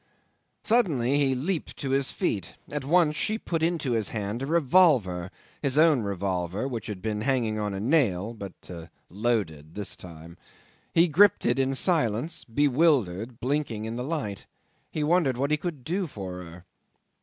'Suddenly he leaped to his feet; at once she put into his hand a revolver, his own revolver, which had been hanging on a nail, but loaded this time. He gripped it in silence, bewildered, blinking in the light. He wondered what he could do for her.